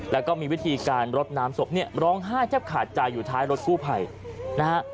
และก็มีวิธีการลดน้ำสบร้องไห้แทบขาดจ่ายอยู่ท้ายรถผู้ภัยนะฮะ